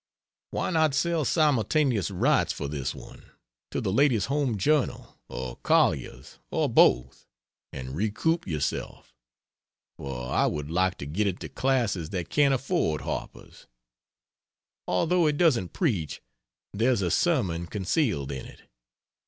Why not sell simultaneous rights, for this once, to the Ladies' Home Journal or Collier's, or both, and recoup yourself? for I would like to get it to classes that can't afford Harper's. Although it doesn't preach, there's a sermon concealed in it.